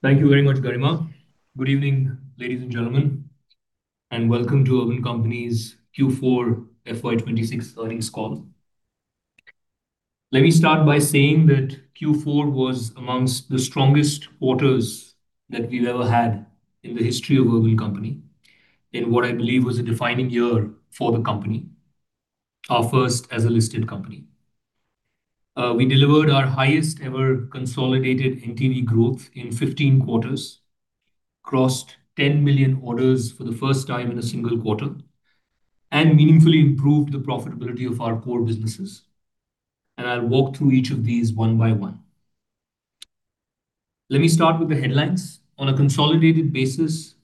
Thank you very much, Garima. Good evening, ladies and gentlemen, and welcome to Urban Company's Q4 FY 2026 Earnings Call. Let me start by saying that Q4 was amongst the strongest quarters that we've ever had in the history of Urban Company. In what I believe was a defining year for the company, our first as a listed company. We delivered our highest ever consolidated NTV growth in 15 quarters, crossed 10 million orders for the first time in a single quarter, and meaningfully improved the profitability of our core businesses. I'll walk through each of these one by one. Let me start with the headlines. On a consolidated basis,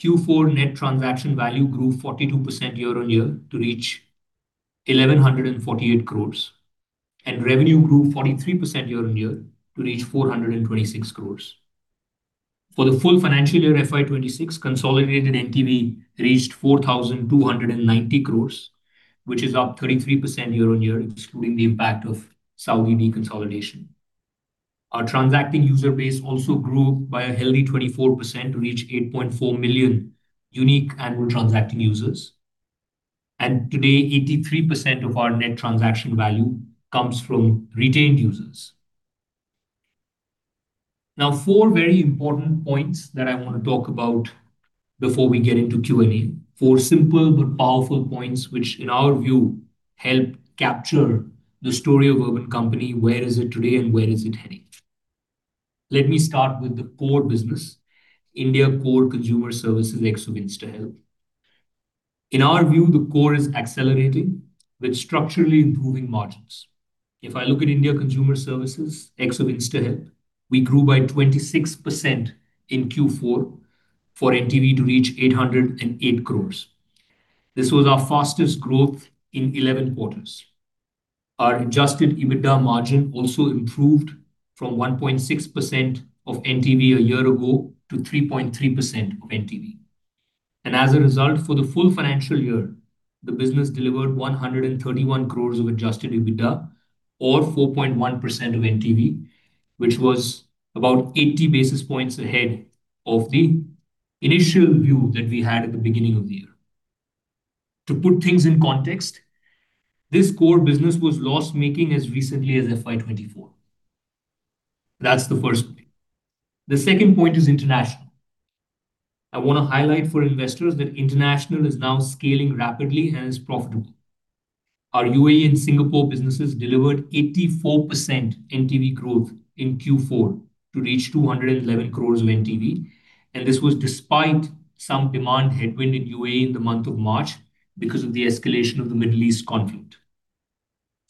Q4 net transaction value grew 42% year-on-year to reach 1,148 crores. Revenue grew 43% year-on-year to reach 426 crores. For the full financial year, FY 2026 consolidated NTV reached 4,290 crores, which is up 33% year-on-year, excluding the impact of Saudi consolidation. Our transacting user base also grew by a healthy 24% to reach 8.4 million unique annual transacting users. Today, 83% of our net transaction value comes from retained users. Four very important points that I wanna talk about before we get into Q&A. Four simple but powerful points which, in our view, help capture the story of Urban Company, where is it today and where is it heading. Let me start with the core business. India core consumer services ex of InstaHelp. In our view, the core is accelerating with structurally improving margins. If I look at India consumer services, ex of InstaHelp, we grew by 26% in Q4 for NTV to reach 808 crores. This was our fastest growth in 11 quarters. Our adjusted EBITDA margin also improved from 1.6% of NTV a year ago to 3.3% of NTV. As a result, for the full financial year, the business delivered 131 crores of adjusted EBITDA or 4.1% of NTV, which was about 80 basis points ahead of the initial view that we had at the beginning of the year. To put things in context, this core business was loss-making as recently as FY 2024. That's the first point. The second point is international. I wanna highlight for investors that international is now scaling rapidly and is profitable. Our UAE and Singapore businesses delivered 84% NTV growth in Q4 to reach 211 crores of NTV. This was despite some demand headwind in UAE in the month of March because of the escalation of the Middle East conflict.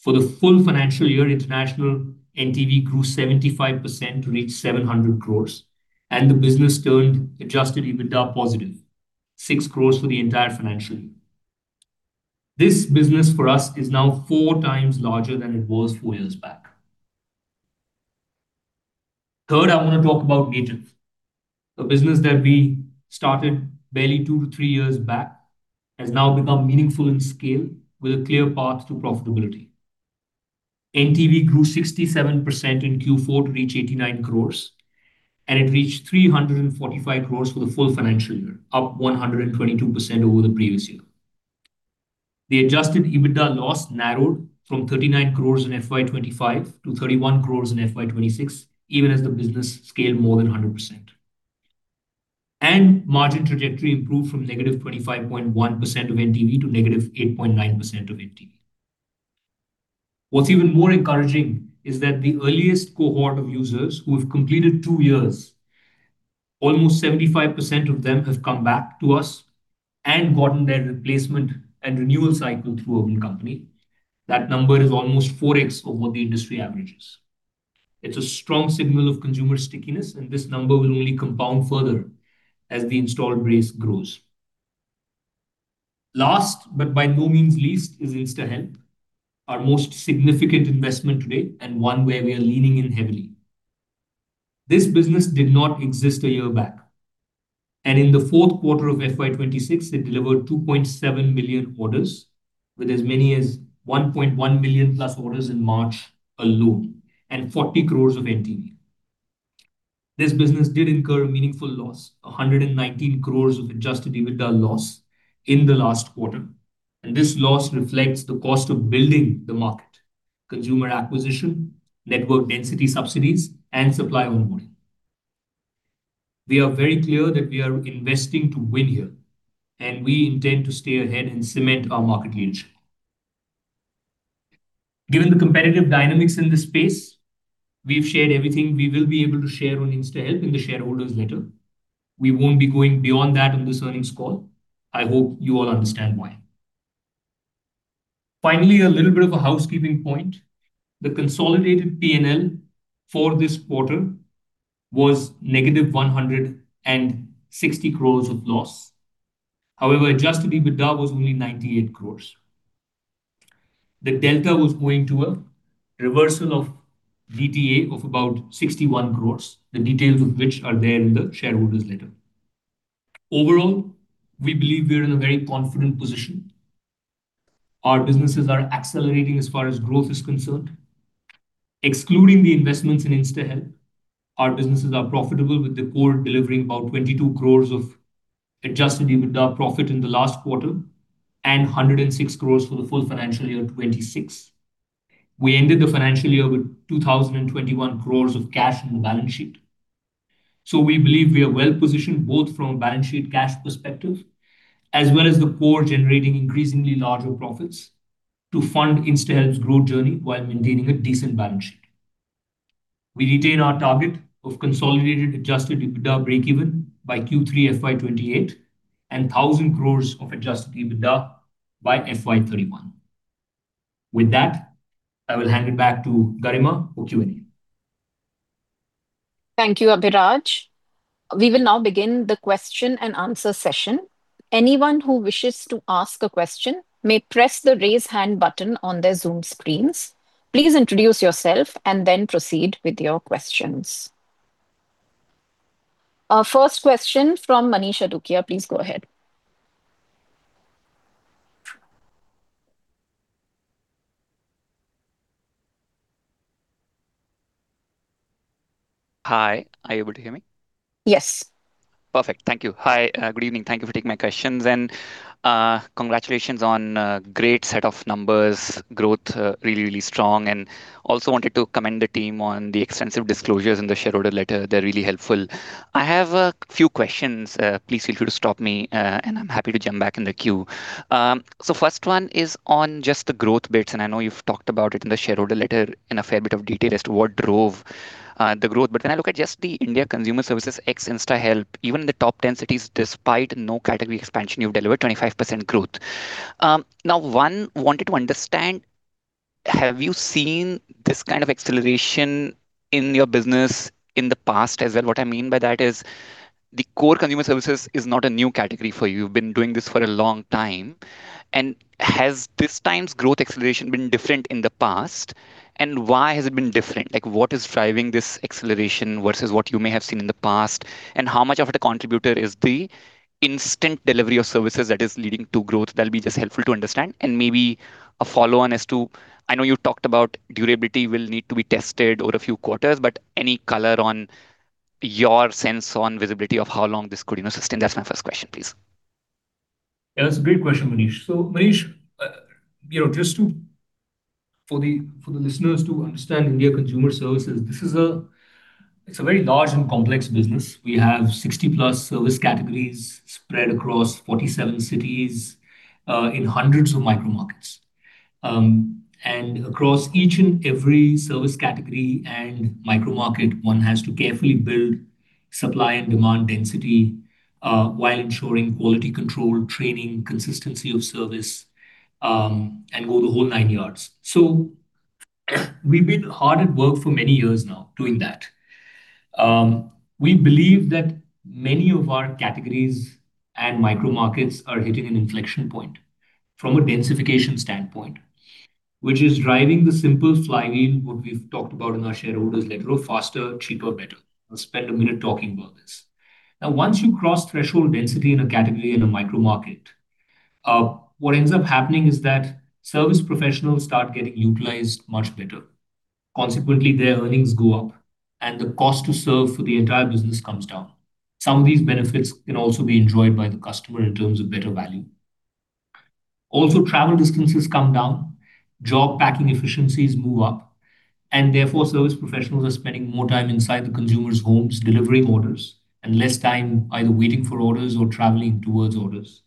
For the full financial year, international NTV grew 75% to reach 700 crores, and the business turned adjusted EBITDA positive, 6 crores for the entire financial year. This business for us is now 4x larger than it was four years back. Third, I wanna talk about Native. A business that we started barely two to three years back has now become meaningful in scale with a clear path to profitability. NTV grew 67% in Q4 to reach 89 crores, and it reached 345 crores for the full financial year, up 122% over the previous year. The adjusted EBITDA loss narrowed from 39 crores in FY 2025 to 31 crores in FY 2026, even as the business scaled more than 100%. Margin trajectory improved from -25.1% of NTV to -8.9% of NTV. What's even more encouraging is that the earliest cohort of users who have completed two years, almost 75% of them have come back to us and gotten their replacement and renewal cycle through Urban Company. That number is almost 4x over the industry averages. It's a strong signal of consumer stickiness, and this number will only compound further as the installed base grows. Last, but by no means least, is InstaHelp, our most significant investment to date and one where we are leaning in heavily. This business did not exist a year back. In the fourth quarter of FY 2026, it delivered 2.7 million orders, with as many as 1.1+ million orders in March alone and 40 crores of NTV. This business did incur a meaningful loss, 119 crores of adjusted EBITDA loss in the last quarter. This loss reflects the cost of building the market, consumer acquisition, network density subsidies, and supply onboarding. We are very clear that we are investing to win here, and we intend to stay ahead and cement our market leadership. Given the competitive dynamics in this space, we've shared everything we will be able to share on InstaHelp in the shareholders letter. We won't be going beyond that on this earnings call. I hope you all understand why. Finally, a little bit of a housekeeping point. The consolidated P&L for this quarter was -160 crores of loss. Adjusted EBITDA was only 98 crores. The delta was owing to a reversal of DTA of about 61 crores, the details of which are there in the shareholders letter. We believe we are in a very confident position. Our businesses are accelerating as far as growth is concerned. Excluding the investments in InstaHelp, our businesses are profitable, with the core delivering about 22 crores of adjusted EBITDA profit in the last quarter and 106 crores for the full financial year 2026. We ended the financial year with 2,021 crores of cash in the balance sheet. We believe we are well-positioned, both from a balance sheet cash perspective as well as the core generating increasingly larger profits to fund InstaHelp's growth journey while maintaining a decent balance sheet. We retain our target of consolidated adjusted EBITDA breakeven by Q3 FY 2028 and 1,000 crores of adjusted EBITDA by FY 2031. With that, I will hand it back to Garima for Q&A. Thank you, Abhiraj. We will now begin the question-and-answer session. Anyone who wishes to ask a question may press the Raise Hand button on their Zoom screens. Please introduce yourself and then proceed with your questions. Our first question from Manish Adukia. Please go ahead. Hi. Are you able to hear me? Yes. Perfect. Thank you. Hi. Good evening. Thank you for taking my questions, and congratulations on a great set of numbers. Growth, really, really strong, and also wanted to commend the team on the extensive disclosures in the shareholder letter. They're really helpful. I have a few questions. Please feel free to stop me, and I'm happy to jump back in the queue. First one is on just the growth bits, and I know you've talked about it in the shareholder letter in a fair bit of detail as to what drove the growth. When I look at just the India consumer services ex InstaHelp, even in the top 10 cities, despite no category expansion, you've delivered 25% growth. Now one, wanted to understand, have you seen this kind of acceleration in your business in the past as well? What I mean by that is the core consumer services is not a new category for you. You've been doing this for a long time. Has this time's growth acceleration been different in the past, and why has it been different? Like, what is driving this acceleration versus what you may have seen in the past? How much of the contributor is the instant delivery of services that is leading to growth? That'll be just helpful to understand. Maybe a follow-on as to, I know you talked about durability will need to be tested over a few quarters, but any color on your sense on visibility of how long this could, you know, sustain? That's my first question, please. Yeah, that's a great question, Manish. Manish, you know, for the listeners to understand India Consumer Services, it's a very large and complex business. We have 60+ service categories spread across 47 cities, in hundreds of micro markets. Across each and every service category and micro market, one has to carefully build supply and demand density, while ensuring quality control, training, consistency of service, and go the whole nine yards. We've been hard at work for many years now doing that. We believe that many of our categories and micro markets are hitting an inflection point from a densification standpoint, which is driving the simple flywheel, what we've talked about in our shareholders letter, of faster, cheaper, better. I'll spend one minute talking about this. Once you cross threshold density in a category in a micro market, what ends up happening is that service professionals start getting utilized much better. Consequently, their earnings go up and the cost to serve for the entire business comes down. Some of these benefits can also be enjoyed by the customer in terms of better value. Travel distances come down, job packing efficiencies move up, service professionals are spending more time inside the consumer's homes delivering orders and less time either waiting for orders or traveling towards orders.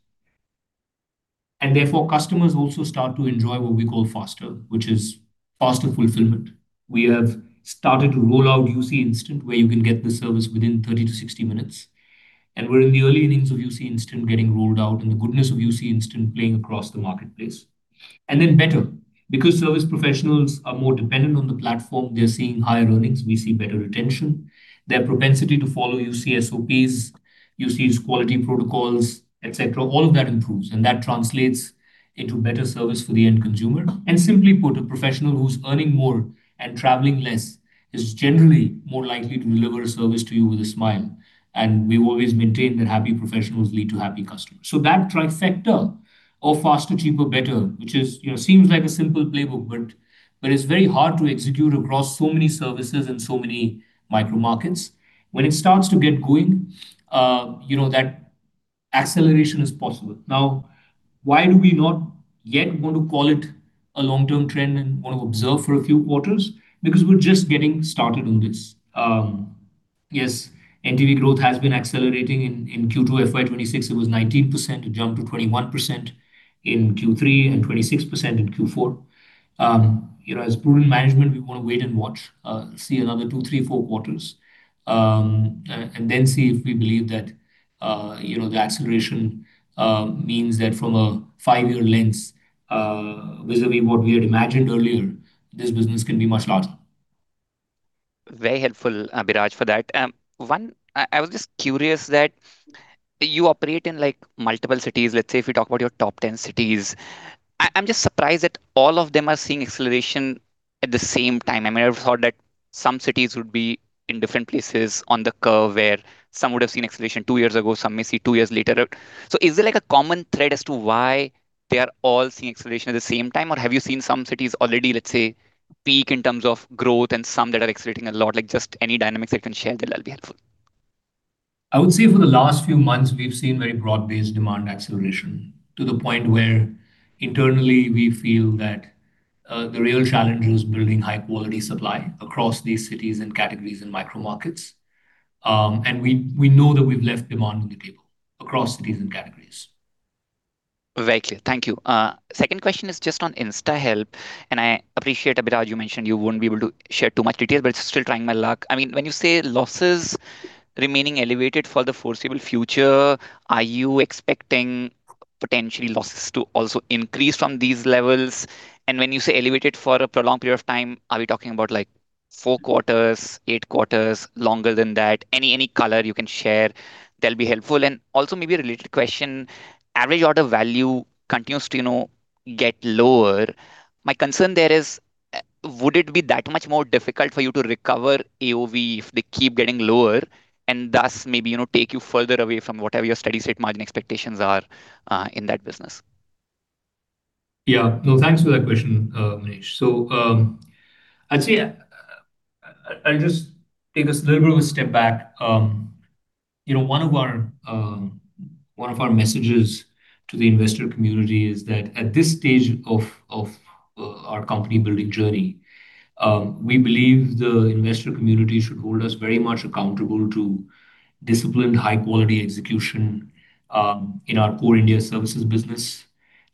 Customers also start to enjoy what we call faster, which is faster fulfillment. We have started to roll out UC Instant, where you can get the service within 30 to 60 minutes, we're in the early innings of UC Instant getting rolled out and the goodness of UC Instant playing across the marketplace. Then better. Because service professionals are more dependent on the platform, they're seeing higher earnings, we see better retention. Their propensity to follow UC SOPs, UC's quality protocols, et cetera, all of that improves, and that translates into better service for the end consumer. Simply put, a professional who's earning more and traveling less is generally more likely to deliver a service to you with a smile. We've always maintained that happy professionals lead to happy customers. That trifecta of faster, cheaper, better, which is, you know, seems like a simple playbook, but it's very hard to execute across so many services and so many micro markets. When it starts to get going, you know, that acceleration is possible. Now, why do we not yet want to call it a long-term trend and want to observe for a few quarters? Because we're just getting started on this. Yes, NTV growth has been accelerating. In Q2 FY 2026 it was 19%. It jumped to 21% in Q3 and 26% in Q4. You know, as prudent management, we wanna wait and watch, see another two, three, four quarters, and then see if we believe that, you know, the acceleration means that from a five-year lens, vis-à-vis what we had imagined earlier, this business can be much larger. Very helpful, Abhiraj, for that. One, I was just curious that you operate in, like, multiple cities. Let's say if we talk about your top 10 cities, I'm just surprised that all of them are seeing acceleration at the same time. I mean, I've heard that some cities would be in different places on the curve where some would have seen acceleration two years ago, some may see two years later. Is there like a common thread as to why they are all seeing acceleration at the same time? Have you seen some cities already, let's say, peak in terms of growth and some that are accelerating a lot? Like, just any dynamics that you can share that'll be helpful. I would say for the last few months, we've seen very broad-based demand acceleration to the point where internally we feel that the real challenge is building high-quality supply across these cities and categories and micro markets. We know that we've left demand on the table across cities and categories. Very clear. Thank you. Second question is just on InstaHelp, and I appreciate, Abhiraj, you mentioned you wouldn't be able to share too much detail, but still trying my luck. I mean, when you say losses remaining elevated for the foreseeable future, are you expecting potentially losses to also increase from these levels? When you say elevated for a prolonged period of time, are we talking about, like, four quarters, eight quarters, longer than that? Any color you can share that'll be helpful. Also maybe a related question. Average order value continues to, you know, get lower. My concern there is, would it be that much more difficult for you to recover AOV if they keep getting lower and thus maybe, you know, take you further away from whatever your steady-state margin expectations are in that business? Yeah. No, thanks for that question, Manish. I'd say, I'll just take this little bit of a step back. You know, one of our, one of our messages to the investor community is that at this stage of our company-building journey, we believe the investor community should hold us very much accountable to disciplined high-quality execution in our core India services business,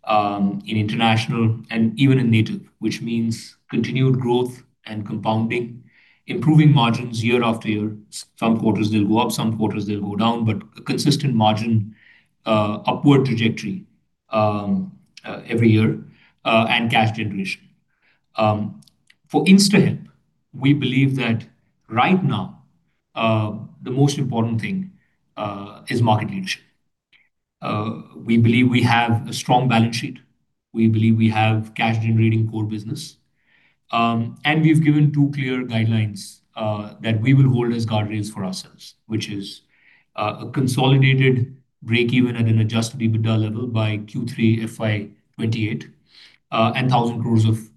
in international and even in Native, which means continued growth and compounding, improving margins year after year. Some quarters they'll go up, some quarters they'll go down, but a consistent margin upward trajectory every year and cash generation. For InstaHelp, we believe that right now, the most important thing is market leadership. We believe we have a strong balance sheet. We believe we have cash-generating core business. We've given two clear guidelines that we will hold as guardrails for ourselves, which is a consolidated break-even at an adjusted EBITDA level by Q3 FY 2028, and 1,000 crores of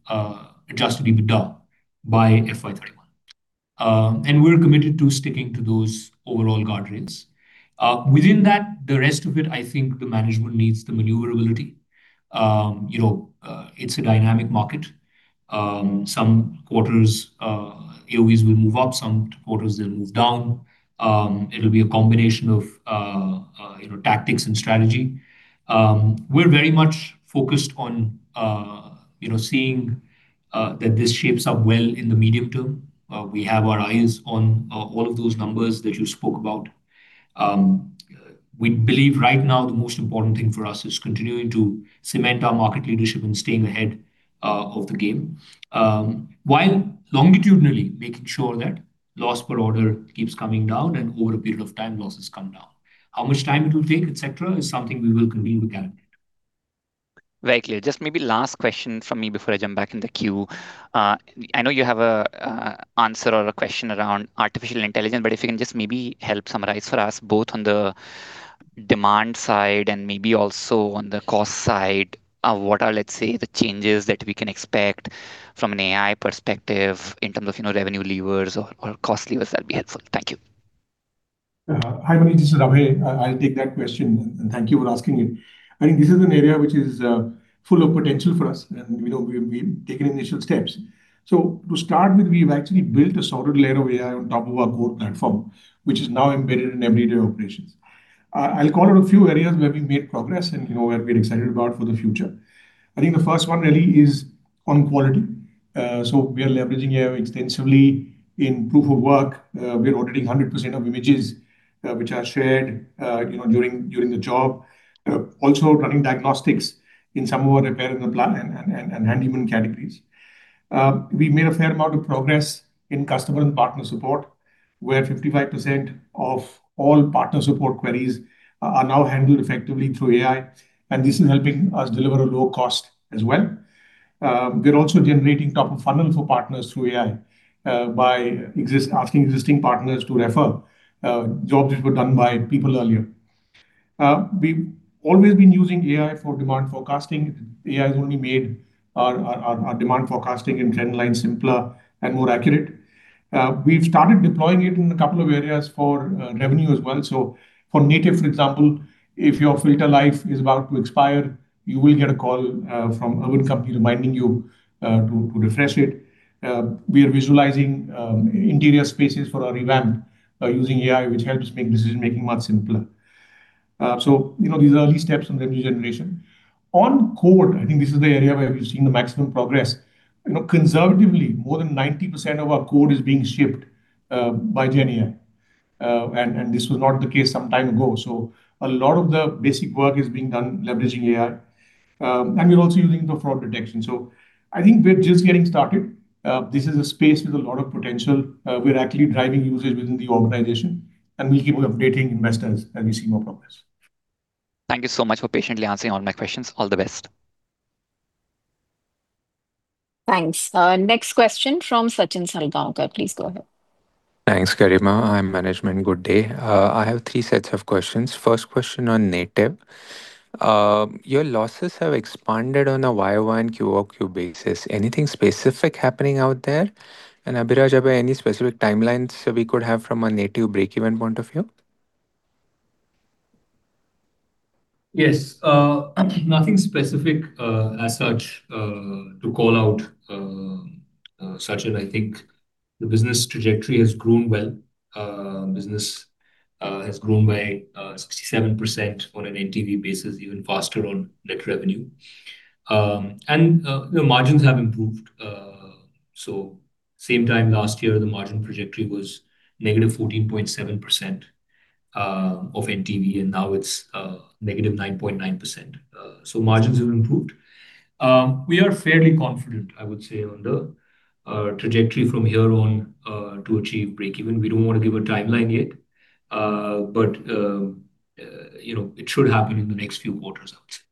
adjusted EBITDA by FY 2031. We're committed to sticking to those overall guardrails. Within that, the rest of it, I think the management needs the maneuverability. You know, it's a dynamic market. Some quarters, AOVs will move up, some quarters they'll move down. It'll be a combination of, you know, tactics and strategy. We're very much focused on, you know, seeing that this shapes up well in the medium term. We have our eyes on all of those numbers that you spoke about. We believe right now the most important thing for us is continuing to cement our market leadership and staying ahead of the game, while longitudinally making sure that loss per order keeps coming down and over a period of time, losses come down. How much time it will take, et cetera, is something we will convene with the candidate. Very clear. Just maybe last question from me before I jump back in the queue. I know you have a answer or a question around artificial intelligence, but if you can just maybe help summarize for us both on the demand side and maybe also on the cost side of what are, let's say, the changes that we can expect from an AI perspective in terms of, you know, revenue levers or cost levers, that'd be helpful. Thank you. Hi, Manish, this is Abhay. I'll take that question, thank you for asking it. I think this is an area which is full of potential for us, we know we've taken initial steps. To start with, we've actually built a solid layer of AI on top of our core platform, which is now embedded in everyday operations. I'll call out a few areas where we made progress, you know, we're very excited about for the future. I think the first one really is on quality. We are leveraging AI extensively in proof of work. We are auditing 100% of images, which are shared, you know, during the job. Also running diagnostics in some of our repair and appliance and handyman categories. We made a fair amount of progress in customer and partner support, where 55% of all partner support queries are now handled effectively through AI, and this is helping us deliver a low cost as well. We're also generating top-of-funnel for partners through AI, by asking existing partners to refer jobs that were done by people earlier. We've always been using AI for demand forecasting. AI has only made our demand forecasting and trend line simpler and more accurate. We've started deploying it in a couple of areas for revenue as well. For Native, for example, if your filter life is about to expire, you will get a call from our company reminding you to refresh it. We are visualizing interior spaces for our Revamp by using AI, which helps make decision-making much simpler. You know, these are early steps in revenue generation. On code, I think this is the area where we've seen the maximum progress. You know, conservatively, more than 90% of our code is being shipped by GenAI. This was not the case some time ago. A lot of the basic work is being done leveraging AI. We're also using the fraud detection. I think we're just getting started. This is a space with a lot of potential. We're actively driving usage within the organization, and we'll keep on updating investors as we see more progress. Thank you so much for patiently answering all my questions. All the best. Thanks. Next question from Sachin Salgaonkar. Please go ahead. Thanks, Garima. Hi management. Good day. I have three sets of questions. First question on Native. Your losses have expanded on a YoY and QoQ basis. Anything specific happening out there? Abhiraj, are there any specific timelines we could have from a Native break-even point of view? Nothing specific as such to call out, Sachin. I think the business trajectory has grown well. Business has grown by 67% on an NTV basis, even faster on net revenue. The margins have improved. Same time last year, the margin trajectory was -14.7% of NTV. Now it's -9.9%. Margins have improved. We are fairly confident, I would say, on the trajectory from here on to achieve break even. We don't wanna give a timeline yet, you know, it should happen in the next few quarters, I would say.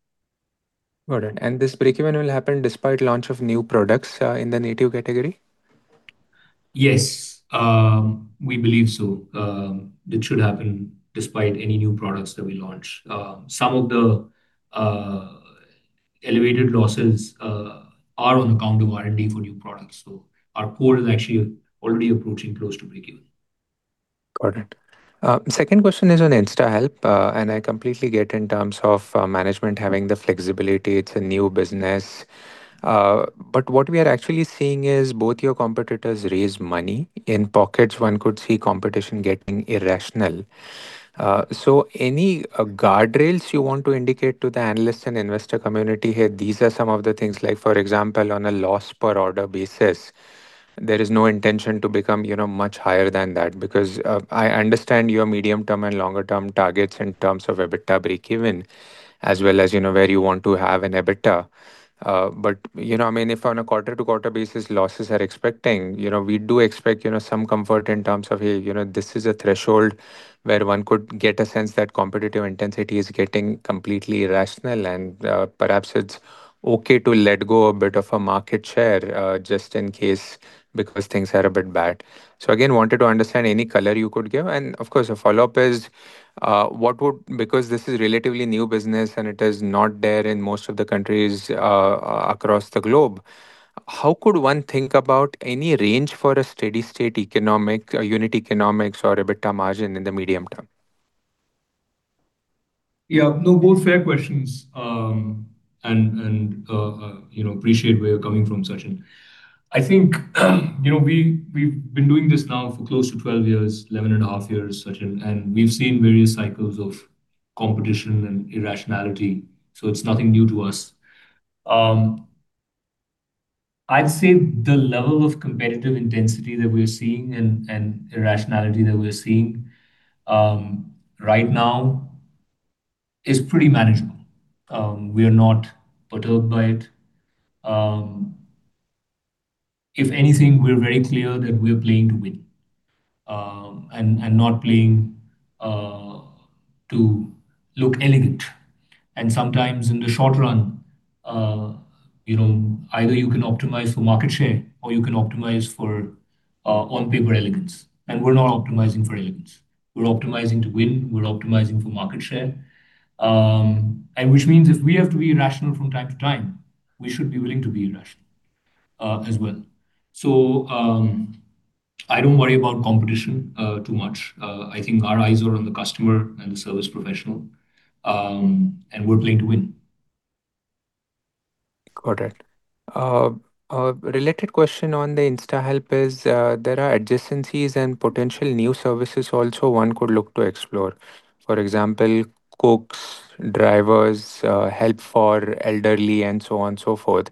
Got it. This break-even will happen despite launch of new products in the Native category? Yes. We believe so. It should happen despite any new products that we launch. Some of the elevated losses are on account of R&D for new products. Our core is actually already approaching close to break even. Got it. Second question is on InstaHelp, and I completely get in terms of management having the flexibility. It's a new business. What we are actually seeing is both your competitors raise money. In pockets, one could see competition getting irrational. Any guardrails you want to indicate to the analysts and investor community here, these are some of the things. Like, for example, on a loss per order basis, there is no intention to become, you know, much higher than that. I understand your medium term and longer term targets in terms of EBITDA break even, as well as, you know, where you want to have an EBITDA. You know, I mean, if on a quarter-over-quarter basis losses are expecting, you know, we do expect, you know, some comfort in terms of, hey, you know, this is a threshold where one could get a sense that competitive intensity is getting completely irrational, and perhaps it's okay to let go a bit of a market share, just in case because things are a bit bad. Again, wanted to understand any color you could give. Of course, a follow-up is, Because this is relatively new business, and it is not there in most of the countries, across the globe, how could one think about any range for a steady-state economic or unit economics or EBITDA margin in the medium term? Yeah. No, both fair questions. You know, appreciate where you're coming from, Sachin. I think, you know, we've been doing this now for close to 12 years, 11.5 years, Sachin, and we've seen various cycles of competition and irrationality, so it's nothing new to us. I'd say the level of competitive intensity that we're seeing and irrationality that we're seeing right now is pretty manageable. We are not perturbed by it. If anything, we're very clear that we're playing to win and not playing to look elegant. Sometimes in the short run, you know, either you can optimize for market share or you can optimize for on-paper elegance, and we're not optimizing for elegance. We're optimizing to win. We're optimizing for market share. Which means if we have to be irrational from time to time, we should be willing to be irrational as well. I don't worry about competition too much. I think our eyes are on the customer and the service professional, and we're playing to win. Got it. A related question on the InstaHelp is, there are adjacencies and potential new services also one could look to explore. For example, cooks, drivers, help for elderly, and so on and so forth.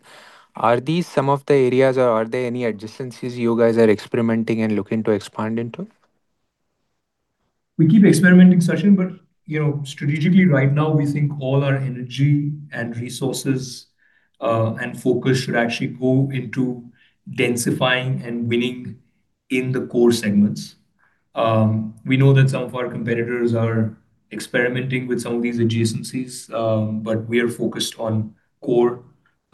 Are these some of the areas or are there any adjacencies you guys are experimenting and looking to expand into? We keep experimenting, Sachin, you know, strategically right now, we think all our energy and resources and focus should actually go into densifying and winning in the core segments. We know that some of our competitors are experimenting with some of these adjacencies, we are focused on core.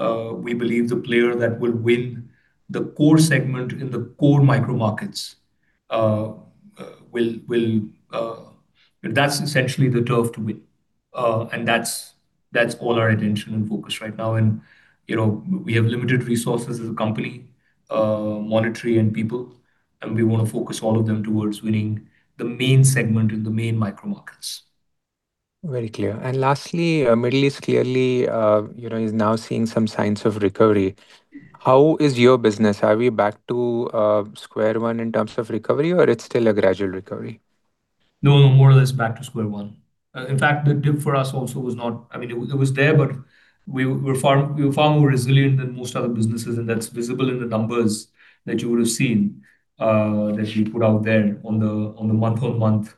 We believe the player that will win the core segment in the core micro markets That's essentially the turf to win. That's all our attention and focus right now. You know, we have limited resources as a company, monetary and people, we wanna focus all of them towards winning the main segment in the main micro markets. Very clear. Lastly, Middle East clearly, you know, is now seeing some signs of recovery. How is your business? Are we back to square one in terms of recovery, or it's still a gradual recovery? No, no, more or less back to square one. In fact, the dip for us also was not I mean, it was, it was there, but we were far more resilient than most other businesses, and that's visible in the numbers that you would have seen that we put out there on the month-on-month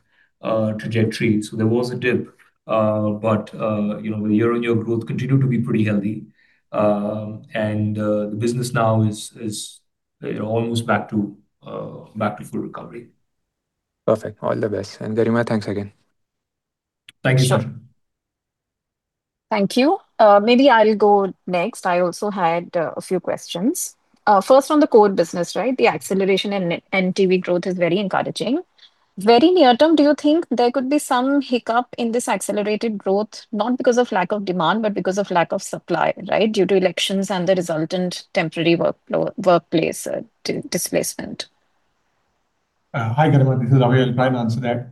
trajectory. There was a dip, but, you know, the year-on-year growth continued to be pretty healthy. The business now is, you know, almost back to full recovery. Perfect. All the best. Garima, thanks again. Thank you, sir. Sure. Thank you. Maybe I'll go next. I also had a few questions. First on the core business, right? The acceleration in NTV growth is very encouraging. Very near term, do you think there could be some hiccup in this accelerated growth, not because of lack of demand, but because of lack of supply, right? Due to elections and the resultant temporary workplace displacement. Hi, Garima. This is Abhay. I'll try and answer that.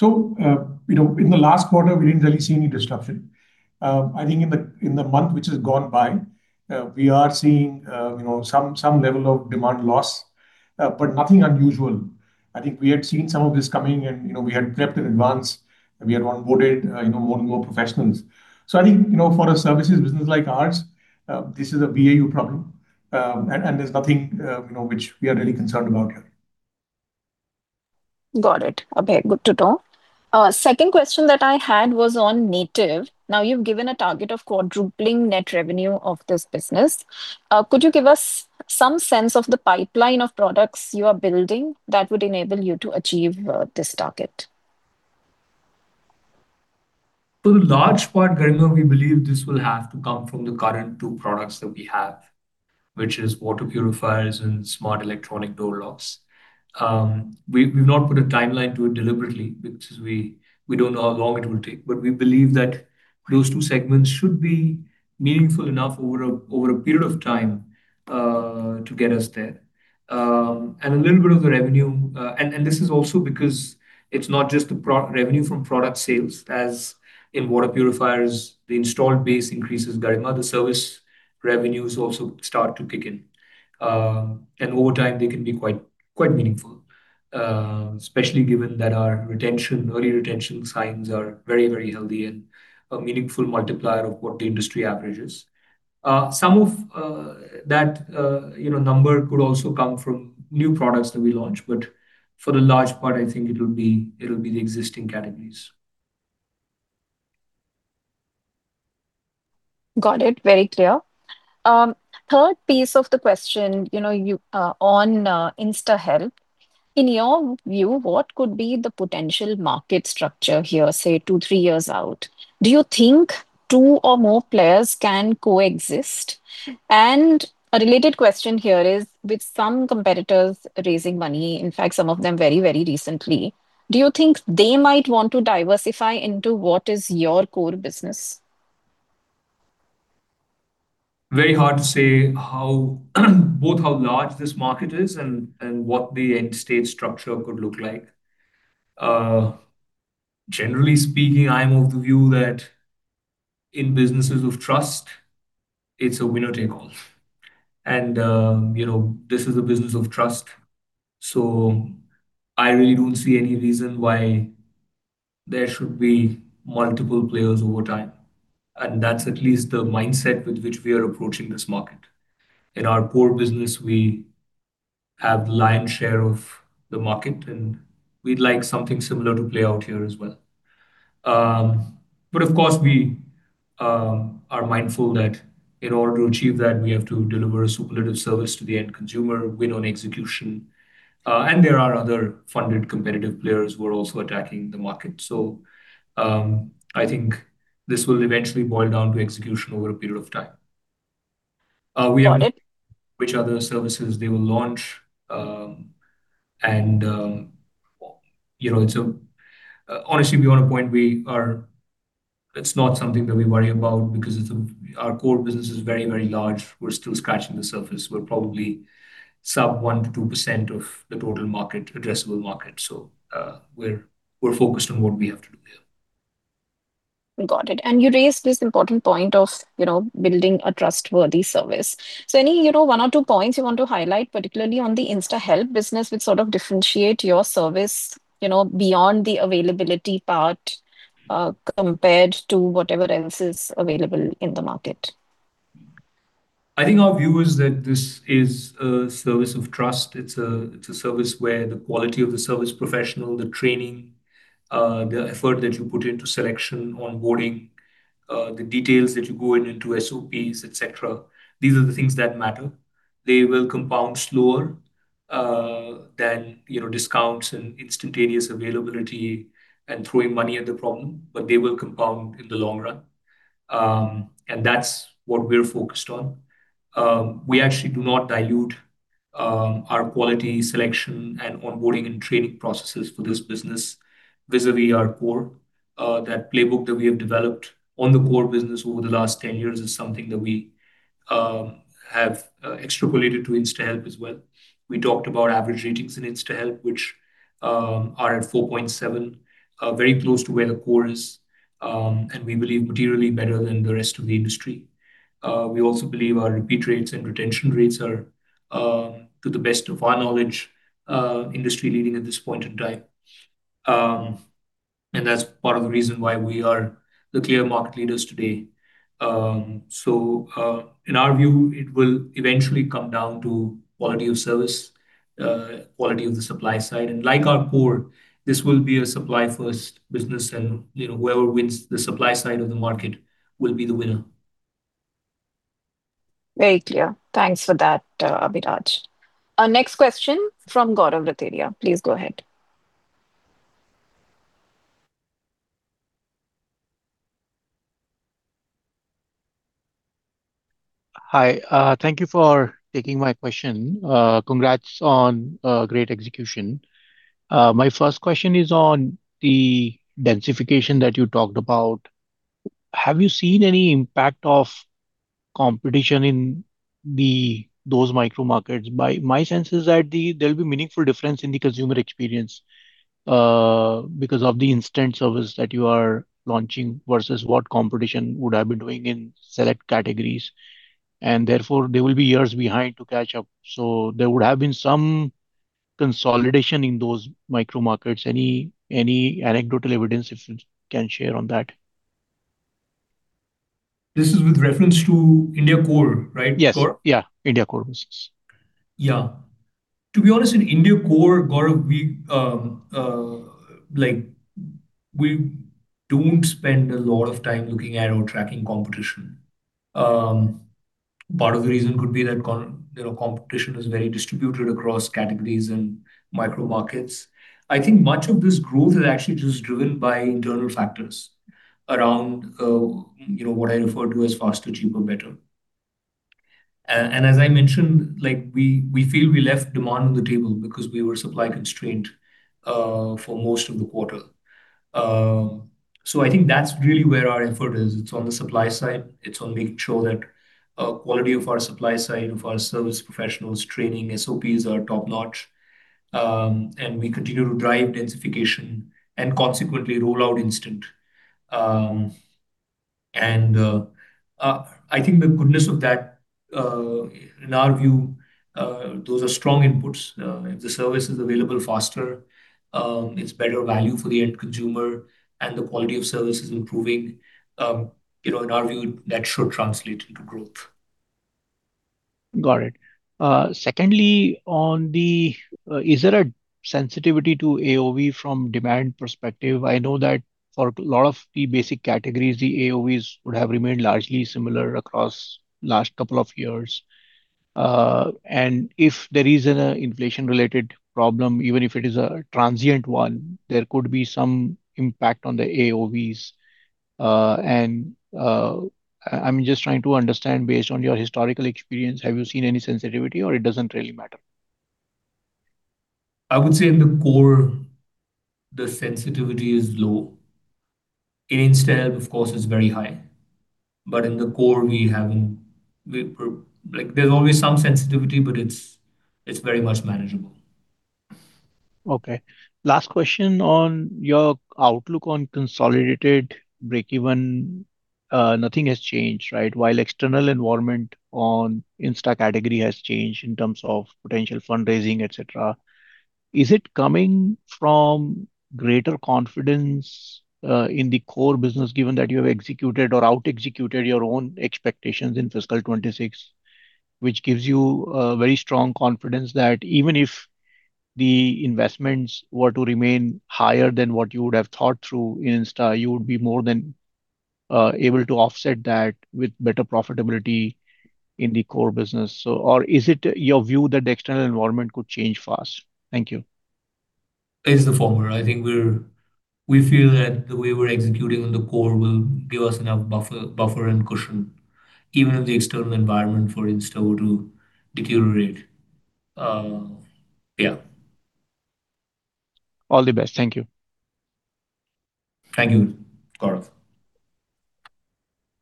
You know, in the last quarter, we didn't really see any disruption. I think in the, in the month which has gone by, we are seeing, you know, some level of demand loss, but nothing unusual. I think we had seen some of this coming and, you know, we had prepped in advance. We had onboarded, you know, more and more professionals. I think, you know, for a services business like ours, this is a BAU problem. And there's nothing, you know, which we are really concerned about here. Got it. Okay, good to know. Second question that I had was on Native. Now you've given a target of quadrupling net revenue of this business. Could you give us some sense of the pipeline of products you are building that would enable you to achieve this target? For the large part, Garima, we believe this will have to come from the current two products that we have, which is water purifiers and smart electronic door locks. We've not put a timeline to it deliberately because we don't know how long it will take. We believe that those two segments should be meaningful enough over a period of time to get us there. And a little bit of the revenue and this is also because it's not just the revenue from product sales. As in water purifiers, the installed base increases, Garima, the service revenues also start to kick in. And over time they can be quite meaningful. Especially given that our retention, early retention signs are very healthy and a meaningful multiplier of what the industry average is. Some of that, you know, number could also come from new products that we launch, but for the large part, I think it'll be the existing categories. Got it. Very clear. third piece of the question, you know, you on InstaHelp. In your view, what could be the potential market structure here, say, two, three years out? Do you think two or more players can coexist? A related question here is, with some competitors raising money, in fact, some of them very, very recently, do you think they might want to diversify into what is your core business? Very hard to say both how large this market is and what the end state structure could look like. Generally speaking, I'm of the view that in businesses of trust, it's a winner take all. You know, this is a business of trust, so I really don't see any reason why there should be multiple players over time. That's at least the mindset with which we are approaching this market. In our core business, we have lion's share of the market, and we'd like something similar to play out here as well. Of course, we are mindful that in order to achieve that, we have to deliver a superlative service to the end consumer, win on execution. There are other funded competitive players who are also attacking the market. I think this will eventually boil down to execution over a period of time. Got it. Which other services they will launch. you know, honestly, beyond a point it's not something that we worry about because our core business is very, very large. We're still scratching the surface. We're probably sub 1% to 2% of the total market, addressable market. we're focused on what we have to do here. Got it. You raised this important point of, you know, building a trustworthy service. Any, you know, one or two points you want to highlight, particularly on the InstaHelp business, which sort of differentiate your service, you know, beyond the availability part, compared to whatever else is available in the market. I think our view is that this is a service of trust. It's a service where the quality of the service professional, the training, the effort that you put into selection, onboarding, the details that you go into SOPs, et cetera, these are the things that matter. They will compound slower than, you know, discounts and instantaneous availability and throwing money at the problem, but they will compound in the long run. That's what we're focused on. We actually do not dilute our quality, selection and onboarding and training processes for this business vis-a-vis our core. That playbook that we have developed on the core business over the last 10 years is something that we have extrapolated to InstaHelp as well. We talked about average ratings in InstaHelp, which are at 4.7, very close to where the core is, and we believe materially better than the rest of the industry. We also believe our repeat rates and retention rates are, to the best of our knowledge, industry-leading at this point in time. That's part of the reason why we are the clear market leaders today. In our view, it will eventually come down to quality of service, quality of the supply side. Like our core, this will be a supply-first business and, you know, whoever wins the supply side of the market will be the winner. Very clear. Thanks for that, Abhiraj. Our next question from Gaurav Rateria. Please go ahead. Hi. Thank you for taking my question. Congrats on great execution. My first question is on the densification that you talked about. Have you seen any impact of competition in those micro markets? My, my sense is that there'll be meaningful difference in the consumer experience because of the instant service that you are launching versus what competition would have been doing in select categories, and therefore they will be years behind to catch up. There would have been some consolidation in those micro markets. Any, any anecdotal evidence you can share on that? This is with reference to India core, right? Yes. Yeah, India core business. Yeah. To be honest, in India core, Gaurav, like, we don't spend a lot of time looking at or tracking competition. Part of the reason could be that You know, competition is very distributed across categories and micro markets. I think much of this growth is actually just driven by internal factors around, you know, what I refer to as faster, cheaper, better. As I mentioned, like, we feel we left demand on the table because we were supply constrained for most of the quarter. I think that's really where our effort is. It's on the supply side. It's on making sure that quality of our supply side, of our service professionals, training, SOPs are top-notch, and we continue to drive densification and consequently roll out instant. I think the goodness of that, in our view, those are strong inputs. If the service is available faster, it's better value for the end consumer and the quality of service is improving, you know, in our view, that should translate into growth. Got it. Secondly, on the, is there a sensitivity to AOV from demand perspective? I know that for a lot of the basic categories, the AOVs would have remained largely similar across last couple of years. If there is an inflation-related problem, even if it is a transient one, there could be some impact on the AOVs. I'm just trying to understand based on your historical experience, have you seen any sensitivity or it doesn't really matter? I would say in the core, the sensitivity is low. In InstaHelp, of course, it's very high. In the core we're like, there's always some sensitivity, but it's very much manageable. Okay. Last question on your outlook on consolidated break-even. Nothing has changed, right? While external environment on InstaHelp has changed in terms of potential fundraising, et cetera, is it coming from greater confidence in the core business given that you have executed or out-executed your own expectations in FY 2026, which gives you a very strong confidence that even if the investments were to remain higher than what you would have thought through in InstaHelp, you would be more than able to offset that with better profitability in the core business? Or is it your view that the external environment could change fast? Thank you. It's the former. I think we feel that the way we're executing on the core will give us enough buffer and cushion even if the external environment for Insta were to deteriorate. All the best. Thank you. Thank you, Gaurav.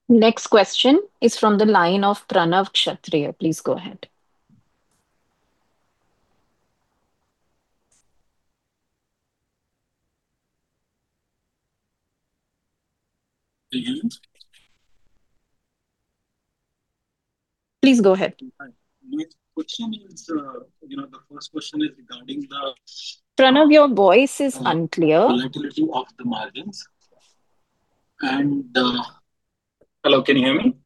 Next question is from the line of Pranav Kshatriya. Please go ahead. Begin. Please go ahead. My question is, you know, the first question is regarding. Pranav, your voice is unclear. Volatility of the margins. Hello, can you hear me?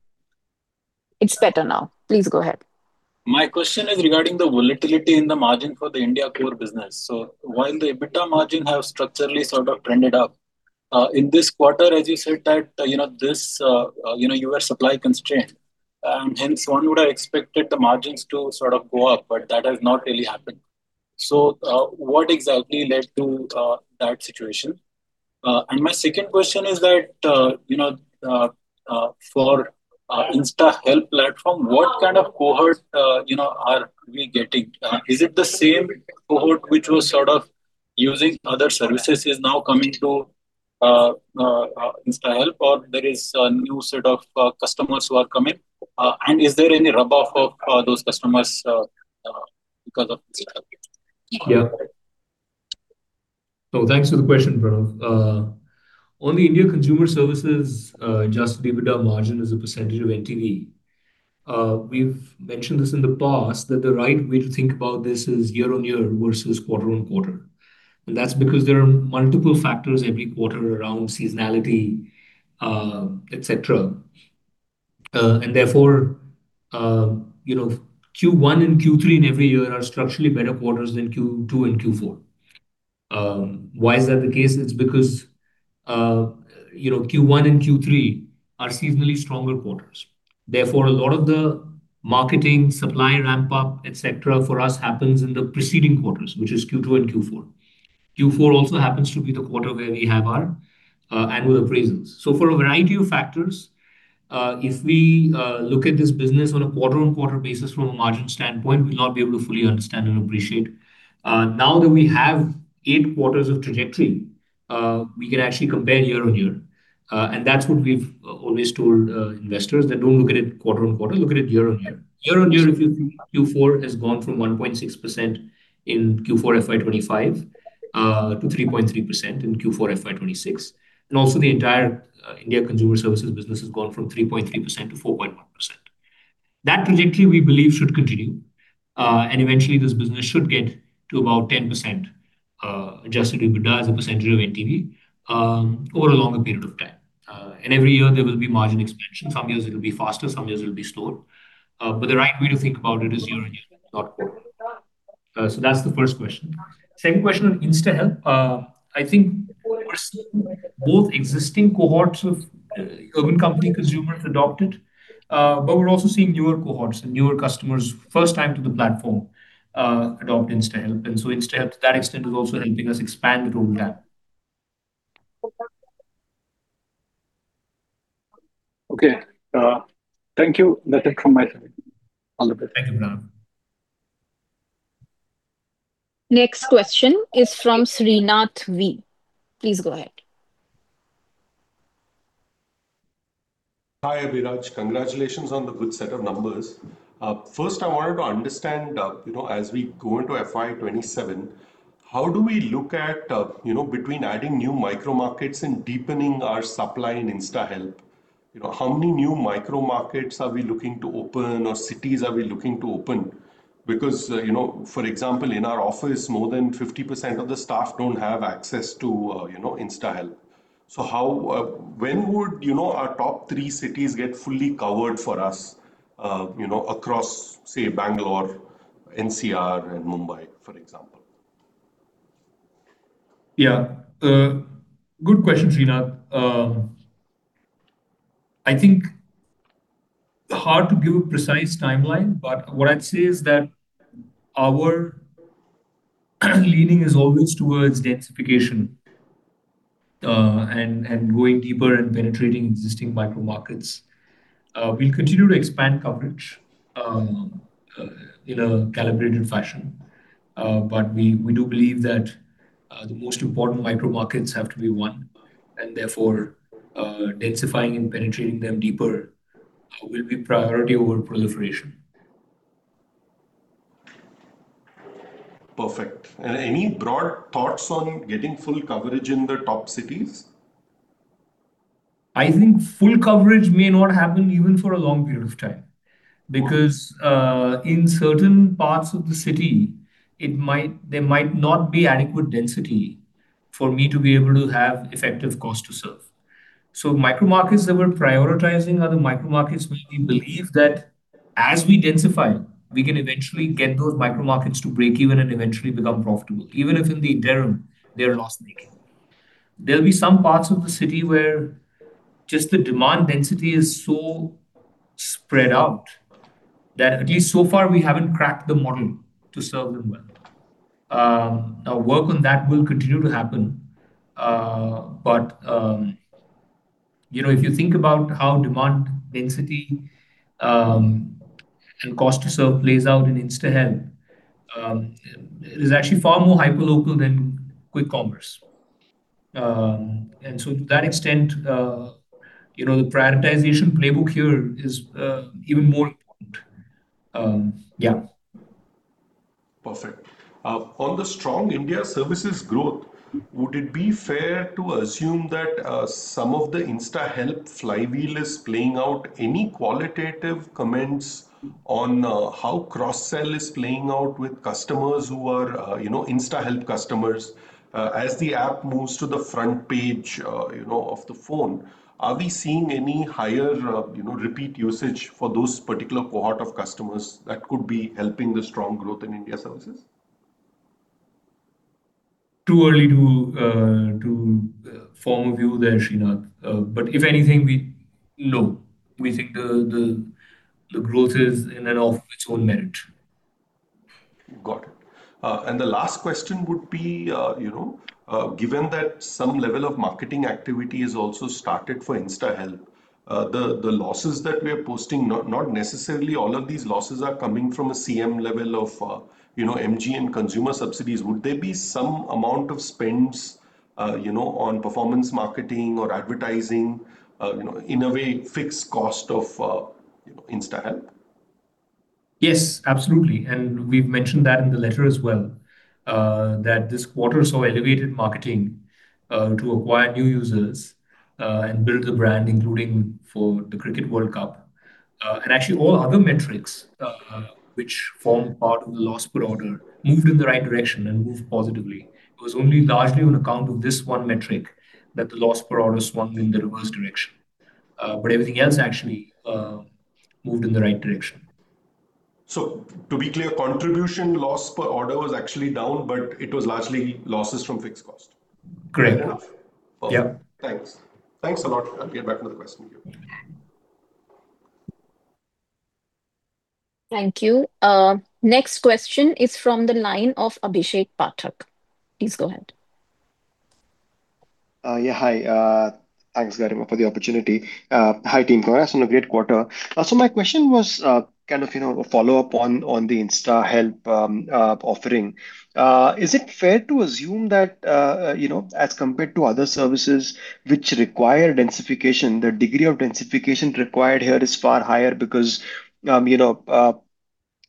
It's better now. Please go ahead. My question is regarding the volatility in the margin for the India core business. While the EBITDA margin have structurally sort of trended up, in this quarter, as you said that, you know, this, you know, you were supply constrained, and hence one would have expected the margins to sort of go up, but that has not really happened. What exactly led to that situation? My second question is that, you know, for InstaHelp platform, what kind of cohort, you know, are we getting? Is it the same cohort which was sort of using other services is now coming to InstaHelp or there is a new set of customers who are coming? Is there any rub-off of those customers because of InstaHelp? Thanks for the question, Pranav. On the India consumer services, adjusted EBITDA margin as a percentage of NTV, we've mentioned this in the past that the right way to think about this is year on year versus quarter on quarter. That's because there are multiple factors every quarter around seasonality, et cetera. Therefore, you know, Q1 and Q3 in every year are structurally better quarters than Q2 and Q4. Why is that the case? It's because you know Q1 and Q3 are seasonally stronger quarters. Therefore, a lot of the marketing, supply ramp up, et cetera, for us happens in the preceding quarters, which is Q2 and Q4. Q4 also happens to be the quarter where we have our annual appraisals. For a variety of factors, if we look at this business on a quarter-over-quarter basis from a margin standpoint, we'll not be able to fully understand and appreciate. Now that we have eight quarters of trajectory, we can actually compare year-over-year. That's what we've always told investors, that don't look at it quarter-over-quarter, look at it year-over-year. Year-over-year, if you think Q4 has gone from 1.6% in Q4 FY 2025 to 3.3% in Q4 FY 2026, and also the entire India consumer services business has gone from 3.3% to 4.1%. That trajectory, we believe, should continue. Eventually this business should get to about 10% adjusted EBITDA as a percentage of NTV over a longer period of time. Every year there will be margin expansion. Some years it'll be faster, some years it'll be slower. The right way to think about it is year-on-year, not quarter. That's the first question. Second question on InstaHelp. I think we're seeing both existing cohorts of Urban Company consumers adopt it, but we're also seeing newer cohorts and newer customers first time to the platform adopt InstaHelp. InstaHelp, to that extent, is also helping us expand the total gap. Okay. Thank you. That's it from my side. All the best. Thank you, Pranav. Next question is from Srinath V. Please go ahead. Hi, Abhiraj. Congratulations on the good set of numbers. First I wanted to understand, you know, as we go into FY 2027, how do we look at, you know, between adding new micro markets and deepening our supply in InstaHelp, you know, how many new micro markets are we looking to open or cities are we looking to open? You know, for example, in our office, more than 50% of the staff don't have access to, you know, InstaHelp. How, when would, you know, our top three cities get fully covered for us, you know, across, say, Bangalore, NCR and Mumbai, for example? Yeah. Good question, Srinath. I think hard to give a precise timeline, but what I'd say is that our leaning is always towards densification, and going deeper and penetrating existing micro markets. We'll continue to expand coverage in a calibrated fashion. We do believe that the most important micro markets have to be one, and therefore, densifying and penetrating them deeper will be priority over proliferation. Perfect. Any broad thoughts on getting full coverage in the top cities? I think full coverage may not happen even for a long period of time because there might not be adequate density for me to be able to have effective cost to serve. Micro markets that we're prioritizing are the micro markets where we believe that as we densify, we can eventually get those micro markets to break even and eventually become profitable, even if in the interim they're loss-making. There'll be some parts of the city where just the demand density is so spread out that at least so far we haven't cracked the model to serve them well. Our work on that will continue to happen. But, you know, if you think about how demand density and cost to serve plays out in InstaHelp, it is actually far more hyperlocal than quick commerce. To that extent, you know, the prioritization playbook here is even more important. Perfect. On the strong India services growth, would it be fair to assume that some of the InstaHelp flywheel is playing out any qualitative comments on how cross-sell is playing out with customers who are, you know, InstaHelp customers? As the app moves to the front page, you know, of the phone, are we seeing any higher, you know, repeat usage for those particular cohort of customers that could be helping the strong growth in India services? Too early to form a view there, Srinath. But if anything, we no, we think the, the growth is in and of its own merit. Got it. The last question would be, you know, given that some level of marketing activity is also started for InstaHelp, the losses that we're posting, not necessarily all of these losses are coming from a CM level of, you know, MG and consumer subsidies. Would there be some amount of spends, you know, on performance marketing or advertising, you know, in a way fixed cost of, you know, InstaHelp? Yes, absolutely. We've mentioned that in the letter as well, that this quarter saw elevated marketing to acquire new users and build the brand, including for the Cricket World Cup. Actually all other metrics which form part of the loss per order moved in the right direction and moved positively. It was only largely on account of this one metric that the loss per order swung in the reverse direction. Everything else actually moved in the right direction. To be clear, contribution loss per order was actually down, but it was largely losses from fixed cost. Great. Fair enough? Yeah. Thanks. Thanks a lot. I'll get back to the question queue. Thank you. Next question is from the line of Abhishek Pathak. Please go ahead. Yeah, hi. Thanks, Garima, for the opportunity. Hi, team Urban, on a great quarter. So my question was, kind of, you know, a follow-up on the InstaHelp offering. Is it fair to assume that, you know, as compared to other services which require densification, the degree of densification required here is far higher because, you know,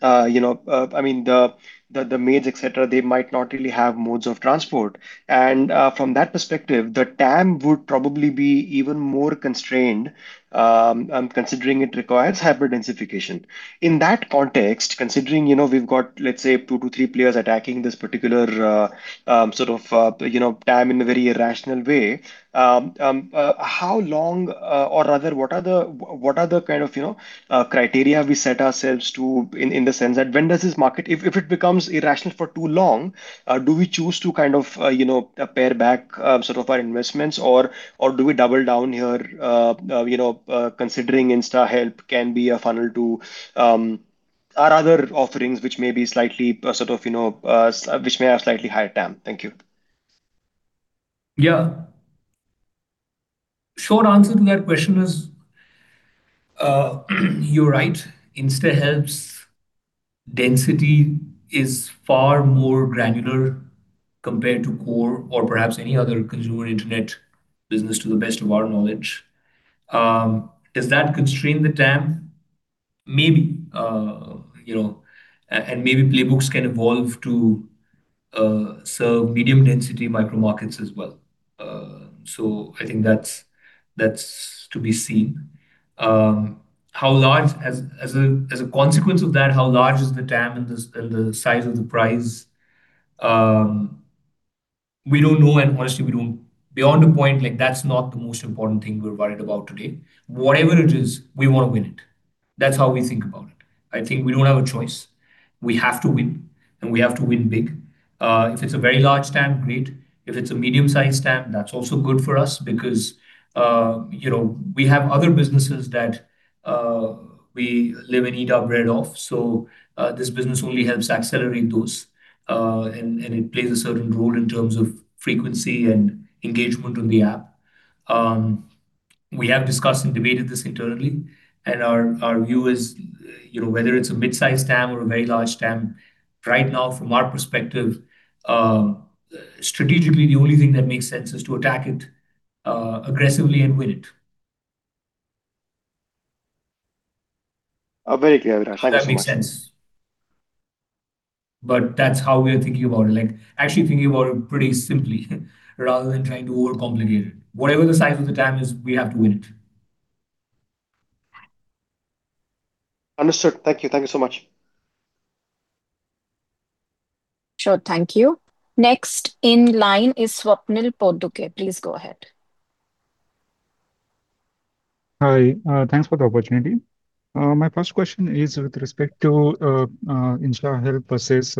I mean, the maids, et cetera, they might not really have modes of transport. From that perspective, the TAM would probably be even more constrained, considering it requires hyper-densification. In that context, considering, you know, we've got, let's say, two to three players attacking this particular sort of, you know, TAM in a very irrational way, how long or rather, what are the kind of, you know, criteria we set ourselves to in the sense that when does this market if it becomes irrational for too long, do we choose to kind of, you know, pair back sort of our investments or do we double down here, you know, considering InstaHelp can be a funnel to our other offerings which may be slightly sort of, you know, which may have slightly higher TAM? Thank you. Yeah. Short answer to that question is, you're right. InstaHelp's density is far more granular compared to core or perhaps any other consumer internet business to the best of our knowledge. Does that constrain the TAM? Maybe. You know, and maybe playbooks can evolve to serve medium-density micro markets as well. I think that's to be seen. How large as a consequence of that, how large is the TAM and the size of the price? We don't know, and honestly, beyond a point, like, that's not the most important thing we're worried about today. Whatever it is, we wanna win it. That's how we think about it. I think we don't have a choice. We have to win, and we have to win big. If it's a very large TAM, great. If it's a medium-sized TAM, that's also good for us because, you know, we have other businesses that we live and eat our bread off. This business only helps accelerate those. It plays a certain role in terms of frequency and engagement on the app. We have discussed and debated this internally, and our view is, you know, whether it's a mid-sized TAM or a very large TAM, right now, from our perspective, strategically, the only thing that makes sense is to attack it aggressively and win it. Very clear, Abhiraj. Thanks so much. Hope that makes sense. That's how we are thinking about it. Like, actually thinking about it pretty simply rather than trying to overcomplicate it. Whatever the size of the TAM is, we have to win it. Understood. Thank you. Thank you so much. Sure. Thank you. Next in line is Swapnil Potdukhe. Please go ahead. Hi. Thanks for the opportunity. My first question is with respect to InstaHelp versus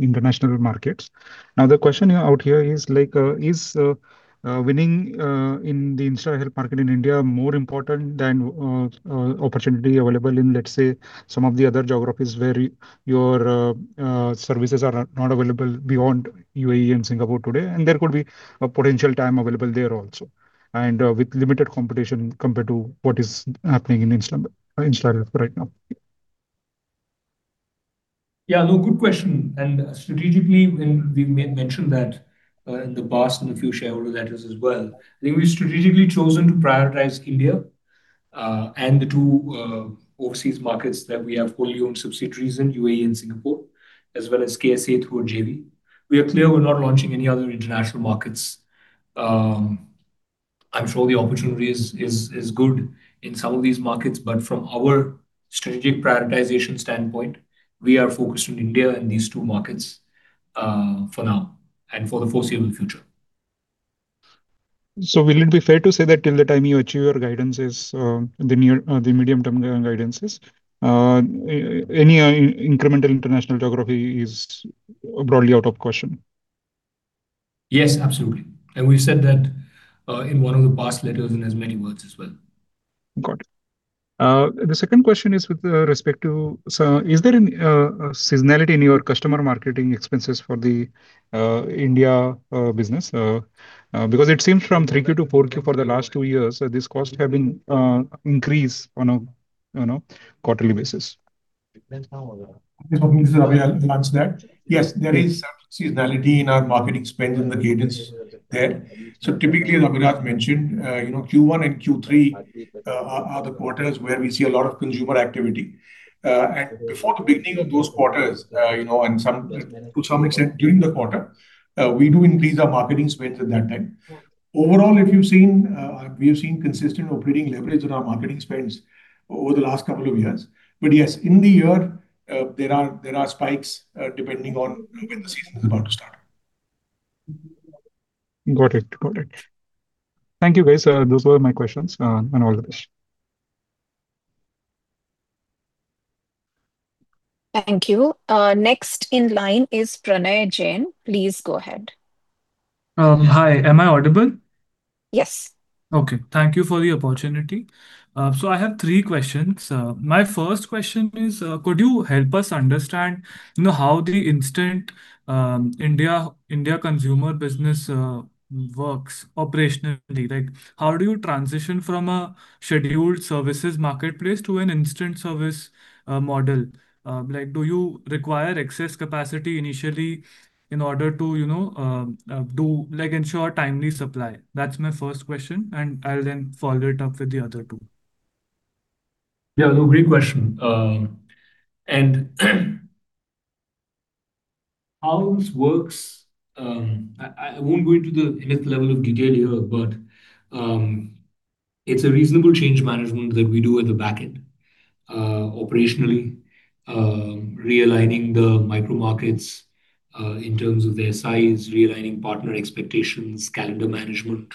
international markets. The question out here is is winning in the InstaHelp market in India more important than opportunity available in, let's say, some of the other geographies where your services are not available beyond UAE and Singapore today? There could be a potential TAM available there also, with limited competition compared to what is happening in InstaHelp right now. Yeah, no, good question. Strategically, and we mentioned that, in the past, in a few shareholder letters as well. I think we've strategically chosen to prioritize India, and the two overseas markets that we have fully owned subsidiaries in, UAE and Singapore, as well as KSA through a JV. We are clear we're not launching any other international markets. I'm sure the opportunity is good in some of these markets, but from our strategic prioritization standpoint, we are focused on India and these two markets for now and for the foreseeable future. Will it be fair to say that till the time you achieve your guidances, the near, the medium-term guidances, any incremental international geography is broadly out of question? Yes, absolutely. We've said that, in one of the past letters in as many words as well. Got it. The second question is with respect to is there any seasonality in your customer marketing expenses for the India business? Because it seems from 3Q to 4Q for the last two years this cost have been increased on a quarterly basis. It depends how. Okay, I'll answer that. Yes, there is some seasonality in our marketing spend and the cadence there. Typically, as Abhiraj mentioned, you know, Q1 and Q3 are the quarters where we see a lot of consumer activity. Before the beginning of those quarters, you know, to some extent during the quarter, we do increase our marketing spends at that time. Overall, if you've seen, we have seen consistent operating leverage in our marketing spends over the last couple of years. Yes, in the year, there are spikes, depending on when the season is about to start. Got it. Got it. Thank you, guys. Those were my questions, all the best. Thank you. Next in line is Pranay Jain. Please go ahead. Hi. Am I audible? Yes. Okay. Thank you for the opportunity. I have three questions. My first question is, could you help us understand, you know, how the instant India consumer business works operationally? Like, how do you transition from a scheduled services marketplace to an instant service model? Like, do you require excess capacity initially in order to ensure timely supply? That's my first question. I'll follow it up with the other two. Yeah. No, great question. How this works, I won't go into the nth level of detail here, but it's a reasonable change management that we do at the back end. Operationally, realigning the micro markets, in terms of their size, realigning partner expectations, calendar management,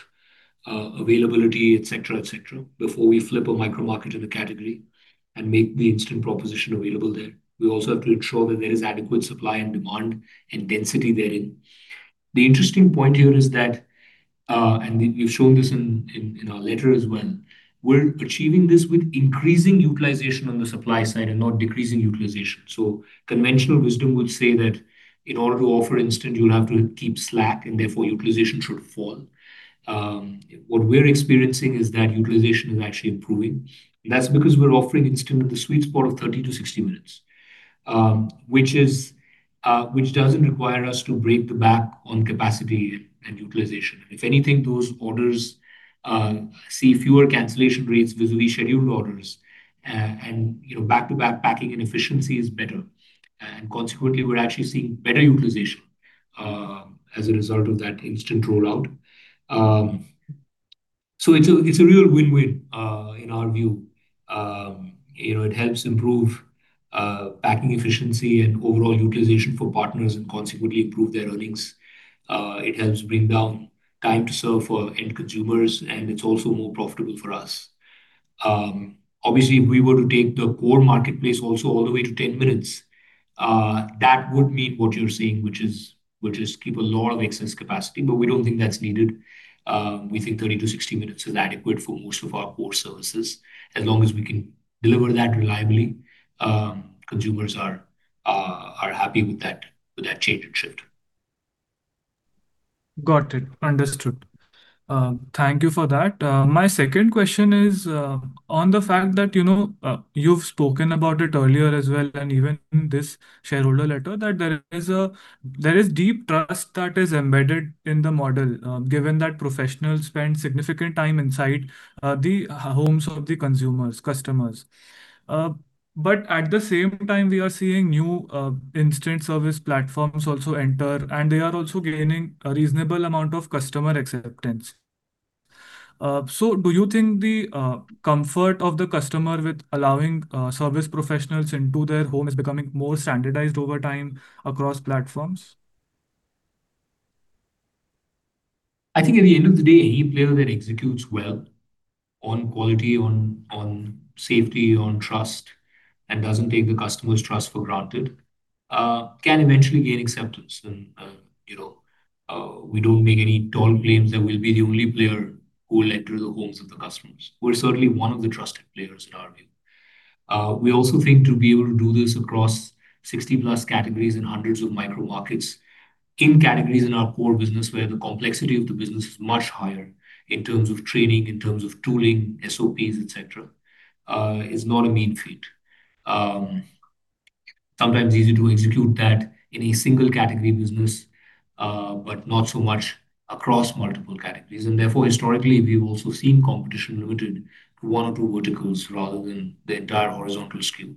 availability, et cetera, et cetera, before we flip a micro market in the category and make the instant proposition available there. We also have to ensure that there is adequate supply and demand and density therein. The interesting point here is that, and we've shown this in our letter as well, we're achieving this with increasing utilization on the supply side and not decreasing utilization. Conventional wisdom would say that in order to offer instant, you'll have to keep slack, and therefore utilization should fall. What we're experiencing is that utilization is actually improving. That's because we're offering instant in the sweet spot of 30 to 60 minutes, which is, which doesn't require us to break the back on capacity and utilization. If anything, those orders see fewer cancellation rates vis-a-vis scheduled orders. You know, back-to-back packing and efficiency is better. Consequently, we're actually seeing better utilization as a result of that instant rollout. It's a, it's a real win-win in our view. You know, it helps improve packing efficiency and overall utilization for partners and consequently improve their earnings. It helps bring down time to serve for end consumers, and it's also more profitable for us. Obviously, if we were to take the core marketplace also all the way to 10 minutes, that would mean what you're saying, which is keep a lot of excess capacity, but we don't think that's needed. We think 30 to 60 minutes is adequate for most of our core services. As long as we can deliver that reliably, consumers are happy with that, with that change and shift. Got it. Understood. Thank you for that. My second question is on the fact that, you know, you've spoken about it earlier as well, and even in this shareholder letter, that there is deep trust that is embedded in the model, given that professionals spend significant time inside the homes of the consumers, customers. At the same time, we are seeing new instant service platforms also enter, and they are also gaining a reasonable amount of customer acceptance. Do you think the comfort of the customer with allowing service professionals into their home is becoming more standardized over time across platforms? I think at the end of the day, any player that executes well on quality, on safety, on trust, and doesn't take the customer's trust for granted, can eventually gain acceptance. You know, we don't make any tall claims that we'll be the only player who will enter the homes of the customers. We're certainly one of the trusted players in our view. We also think to be able to do this across 60+ categories and hundreds of micro markets in categories in our core business where the complexity of the business is much higher in terms of training, in terms of tooling, SOPs, et cetera, is not a mean feat. Sometimes easy to execute that in a single category business, but not so much across multiple categories. Therefore, historically, we've also seen competition limited to one or two verticals rather than the entire horizontal SKU.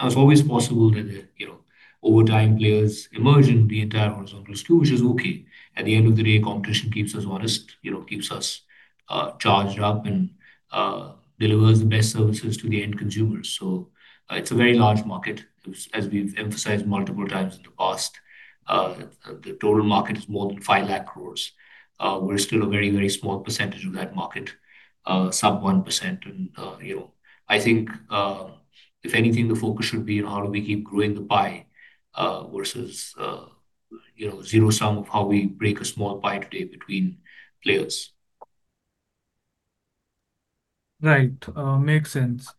It's always possible that, you know, over time, players emerge in the entire horizontal SKU, which is okay. At the end of the day, competition keeps us honest, you know, keeps us charged up and delivers the best services to the end consumers. It's a very large market. As, as we've emphasized multiple times in the past, the total market is more than 5 lakh crore. We're still a very, very small percentage of that market, sub 1%. You know, I think, if anything, the focus should be on how do we keep growing the pie versus, you know, zero-sum of how we break a small pie today between players. Right. makes sense.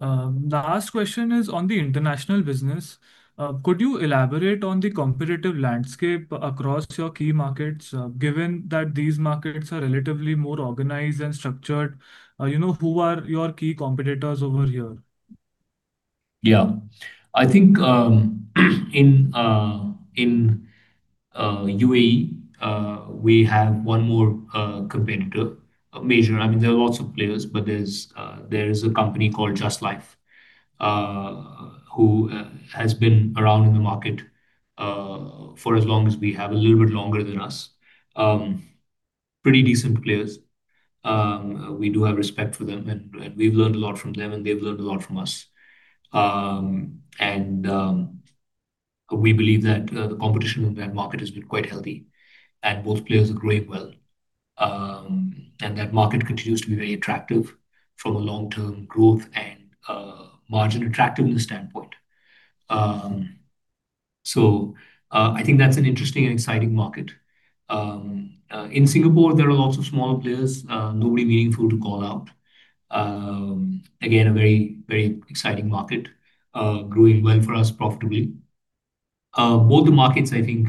The last question is on the international business. Could you elaborate on the competitive landscape across your key markets? Given that these markets are relatively more organized and structured, you know, who are your key competitors over here? Yeah. I think, in UAE, we have one more competitor. I mean, there are lots of players, but there is a company called Justlife, who has been around in the market for as long as we have, a little bit longer than us. Pretty decent players. We do have respect for them, and we've learned a lot from them, and they've learned a lot from us. We believe that the competition in that market has been quite healthy and both players are growing well. That market continues to be very attractive from a long-term growth and margin attractiveness standpoint. I think that's an interesting and exciting market. In Singapore there are lots of smaller players, nobody meaningful to call out. Again, a very, very exciting market, growing well for us profitably. Both the markets, I think,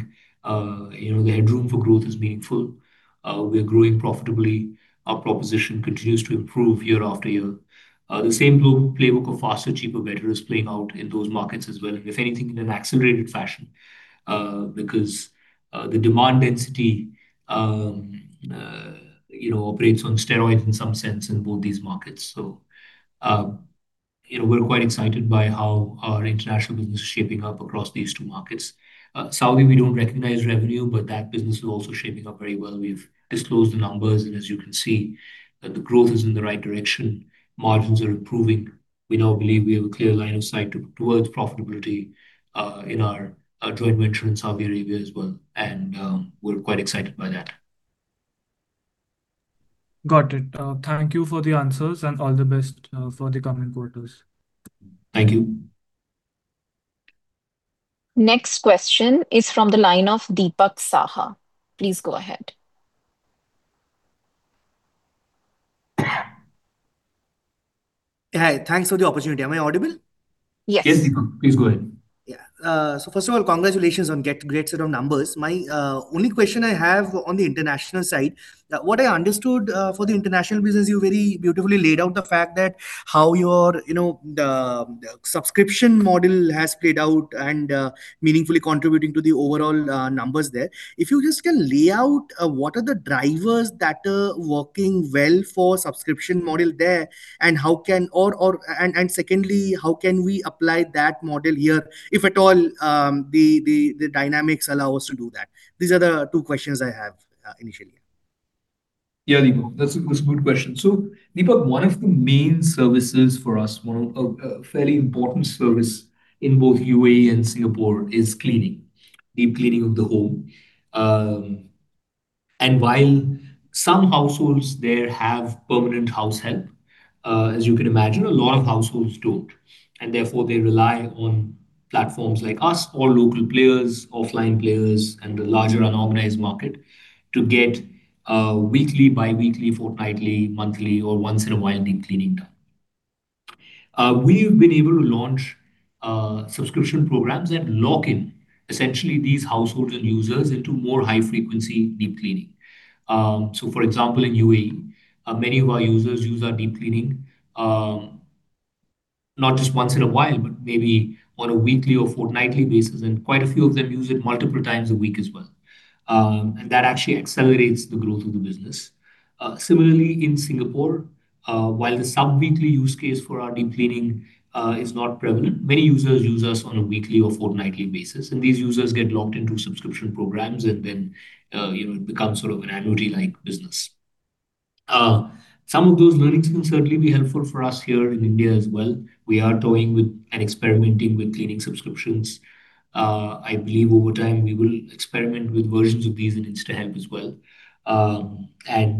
you know, the headroom for growth is meaningful. We're growing profitably. Our proposition continues to improve year after year. The same blue playbook of faster, cheaper, better is playing out in those markets as well, and if anything, in an accelerated fashion, because the demand density, you know, operates on steroids in some sense in both these markets. You know, we're quite excited by how our international business is shaping up across these two markets. Saudi, we don't recognize revenue, but that business is also shaping up very well. We've disclosed the numbers, and as you can see, the growth is in the right direction. Margins are improving. We now believe we have a clear line of sight towards profitability in our joint venture in Saudi Arabia as well, and we're quite excited by that. Got it. Thank you for the answers, and all the best for the coming quarters. Thank you. Next question is from the line of Dipak Saha. Please go ahead. Hi, thanks for the opportunity. Am I audible? Yes. Yes, Dipak, please go ahead. First of all, congratulations on great set of numbers. My only question I have on the international side, what I understood for the international business, you very beautifully laid out the fact that how your, you know, the subscription model has played out and meaningfully contributing to the overall numbers there. If you just can lay out what are the drivers that are working well for subscription model there, and secondly, how can we apply that model here, if at all, the dynamics allow us to do that? These are the two questions I have initially. Yeah, Dipak, that's a good question. Dipak, one of the main services for us, a fairly important service in both U.A.E. and Singapore is cleaning, deep cleaning of the home. While some households there have permanent house help, as you can imagine, a lot of households don't, therefore they rely on platforms like us or local players, offline players in the larger unorganized market to get a weekly, bi-weekly, fortnightly, monthly, or once in a while deep cleaning done. We've been able to launch subscription programs that lock in essentially these households and users into more high-frequency deep cleaning. For example, in UAE, many of our users use our deep cleaning, not just once in a while, but maybe on a weekly or fortnightly basis, and quite a few of them use it multiple times a week as well. Similarly in Singapore, while the sub-weekly use case for our deep cleaning is not prevalent, many users use us on a weekly or fortnightly basis, and these users get locked into subscription programs and then, you know, it becomes sort of an annuity-like business. Some of those learnings can certainly be helpful for us here in India as well. We are toying with and experimenting with cleaning subscriptions. I believe over time we will experiment with versions of these in InstaHelp as well.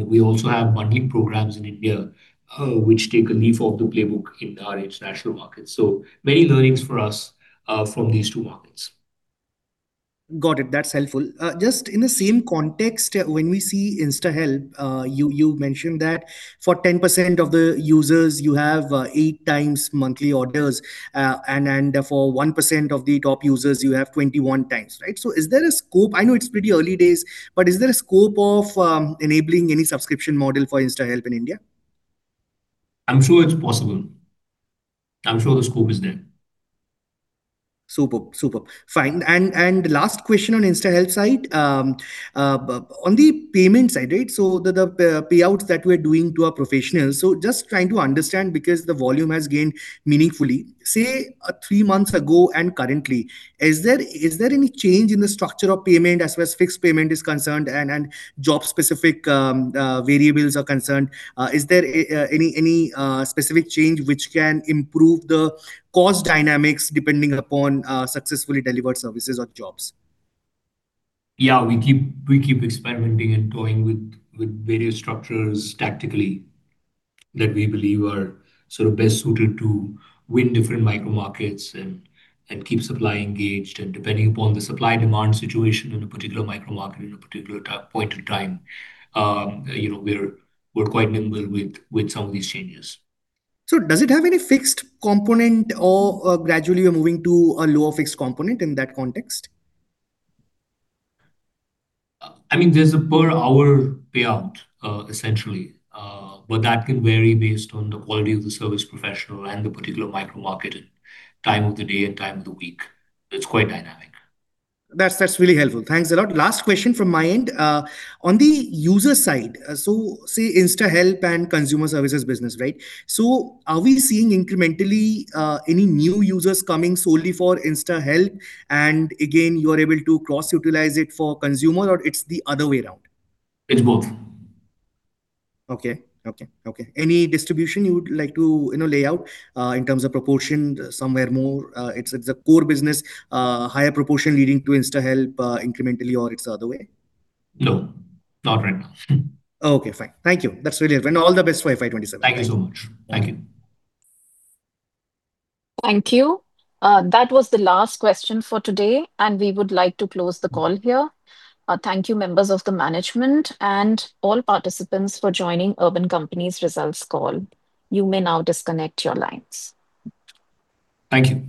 We also have bundling programs in India, which take a leaf off the playbook in our international markets. Many learnings for us from these two markets. Got it. That's helpful. Just in the same context, when we see InstaHelp, you mentioned that for 10% of the users you have 8x monthly orders, and then for 1% of the top users you have 21x, right? I know it's pretty early days, but is there a scope of enabling any subscription model for InstaHelp in India? I'm sure it's possible. I'm sure the scope is there. Superb. Superb. Fine. Last question on InstaHelp side. On the payment side, right? The payouts that we're doing to our professionals. Just trying to understand, because the volume has gained meaningfully, say, three months ago and currently, is there any change in the structure of payment as well as fixed payment is concerned and job-specific variables are concerned? Is there any specific change which can improve the cost dynamics depending upon successfully delivered services or jobs? Yeah, we keep experimenting and toying with various structures tactically that we believe are sort of best suited to win different micro markets and keep supply engaged. Depending upon the supply-demand situation in a particular micro market in a particular point in time, you know, we're quite nimble with some of these changes. Does it have any fixed component or, gradually we're moving to a lower fixed component in that context? I mean, there's a per hour payout, essentially. That can vary based on the quality of the service professional and the particular micro market and time of the day and time of the week. It's quite dynamic. That's really helpful. Thanks a lot. Last question from my end. On the user side, say InstaHelp and consumer services business, right? Are we seeing incrementally any new users coming solely for InstaHelp, and again, you are able to cross-utilize it for consumer or it's the other way around? It's both. Okay. Okay. Okay. Any distribution you would like to, you know, lay out in terms of proportion, somewhere more, it's a core business, higher proportion leading to InstaHelp, incrementally or it's the other way? No, not right now. Okay, fine. Thank you. That's very helpful. all the best for FY 2027. Thank you so much. Thank you. Thank you. That was the last question for today, and we would like to close the call here. Thank you members of the management and all participants for joining Urban Company's results call. You may now disconnect your lines. Thank you.